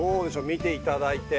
見ていただいて。